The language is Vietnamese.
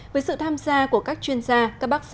với sự tham gia của các chuyên gia các bác sĩ